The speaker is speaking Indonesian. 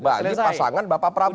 jadi pasangan bapak prabowo